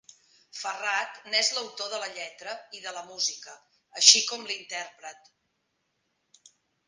Ferrat n'és l'autor de la lletra i de la música, així com l'intèrpret.